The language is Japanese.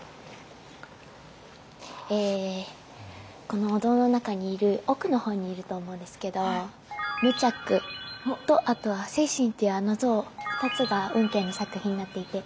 このお堂の中にいる奥の方にいると思うんですけど無著とあとは世親っていうあの像２つが運慶の作品になっていて。